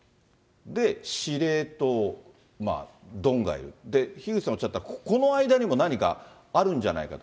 司令塔、ドンがいる、樋口さんおっしゃった、この間にも何かあるんじゃないかと。